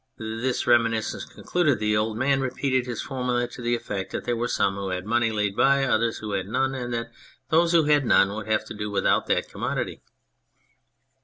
" This reminiscence concluded, the old man repeated his formula to the effect that there were some who had money laid by, others who had none, and that those who had none would have to do without that commodity.